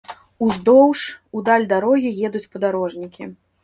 Уздоўж, у даль дарогі едуць падарожнікі.